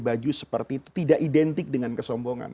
baju seperti itu tidak identik dengan kesombongan